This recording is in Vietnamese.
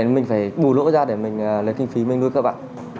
mình phải bù lỗ ra để mình lấy kinh phí mình nuôi các bạn